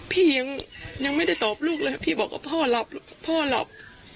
พี่ยังไม่ได้ตอบลูกเลยพี่บอกว่าพ่อหลับพ่อหลับ